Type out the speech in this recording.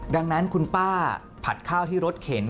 ดังนั้นคุณป้าผัดข้าวที่รถเข็น